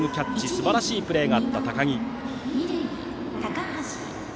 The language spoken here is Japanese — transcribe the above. すばらしいプレーがあったライトの高木です。